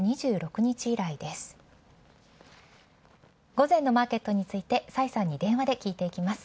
午前のマーケットについて崔さんに電話で聞いていきます。